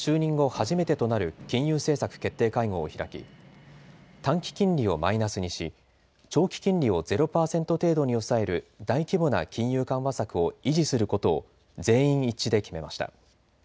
初めてとなる金融政策決定会合を開き短期金利をマイナスにし長期金利を０％程度に抑える大規模な金融緩和策を維持することを全員一致で決めました。